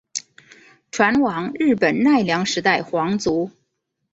船王日本奈良时代皇族。